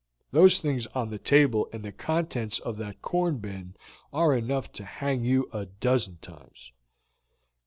Those things on the table and the contents of that corn bin are enough to hang you a dozen times."